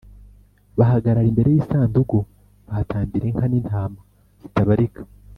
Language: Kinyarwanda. bahagarara imbere y’isanduku bahatambira inka n’intama zitabarika